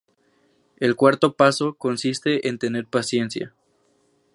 El cuarto paso consiste en tener paciencia.